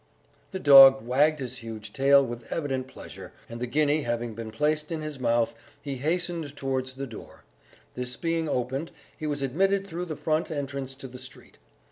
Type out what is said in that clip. The dog wagged his huge tail with evident pleasure, and the guinea having been placed in his mouth, he hastened towards the door; this being opened, he was admitted through the front entrance to the street.